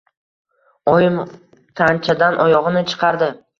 Oyim tanchadan oyog‘ini chiqardi.